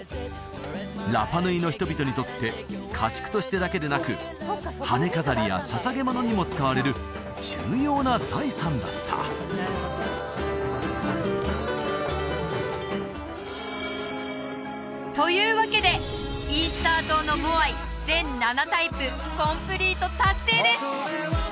ラパ・ヌイの人々にとって家畜としてだけでなく羽飾りや捧げ物にも使われる重要な財産だったというわけでイースター島のモアイ全７タイプコンプリート達成です！